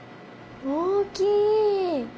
大きい！